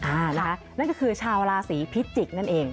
อ่านะคะนั่นก็คือชาวราศรีพิจิกนั่นเอง